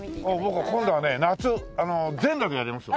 僕今度はね夏全裸でやりますわ。